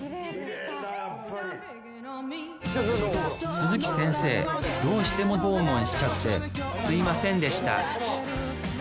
鈴木先生どうしても訪問しちゃってすいませんでした